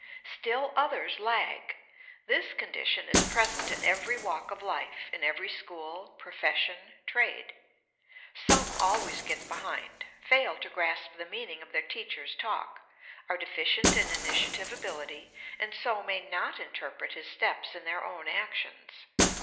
Still others lag. This condition is present in every walk of life, in every school, profession, trade. Some always get behind, fail to grasp the meaning of their teacher's talk, are deficient in initiative ability and so may not interpret his steps in their own actions.